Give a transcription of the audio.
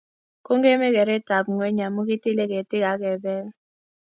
kongeme keretab ngweny amu kitile ketik ak kebeel